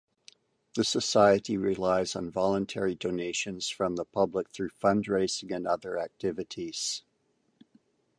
The society relies on voluntary donations from the public through fundraising and other activities.